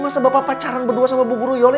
masa bapak pacaran berdua sama buguryola